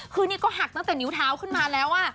คือนี่ก็หักตั้งแต่นิ้วเท้าขึ้นมาแล้ว